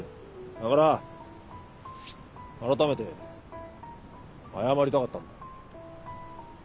だから改めて謝りたかったんだ。